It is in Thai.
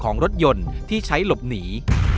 ของรถยนต์ที่ใช้หลบหนี